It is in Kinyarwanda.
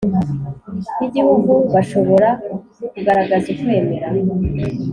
y Igihugu bashobora kugaragaza ukwemera